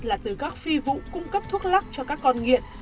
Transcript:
là từ các phi vụ cung cấp thuốc lắc cho các con nghiện